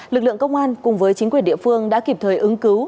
lực lượng công an cùng với chính quyền địa phương đã kịp thời ứng cứu